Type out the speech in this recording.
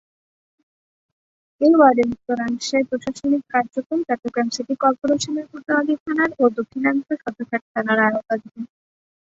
এ ওয়ার্ডের উত্তরাংশের প্রশাসনিক কার্যক্রম চট্টগ্রাম সিটি কর্পোরেশনের কোতোয়ালী থানার ও দক্ষিণাংশ সদরঘাট থানার আওতাধীন।